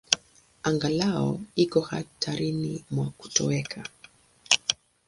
Angalau iko hatarini mwa kutoweka.